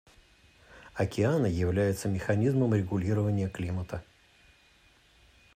Океаны являются механизмом регулирования климата.